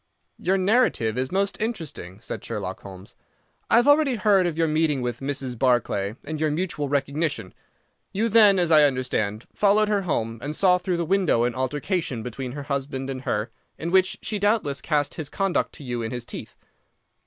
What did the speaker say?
"Your narrative is most interesting," said Sherlock Holmes. "I have already heard of your meeting with Mrs. Barclay, and your mutual recognition. You then, as I understand, followed her home and saw through the window an altercation between her husband and her, in which she doubtless cast his conduct to you in his teeth.